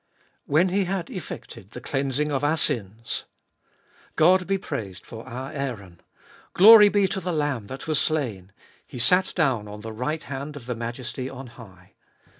7. When He had effected the cleansing of our sins— God be praised for our Aaron! Glory be to the Lamb that was slain /—He sat down on the right hand of the Majesty on high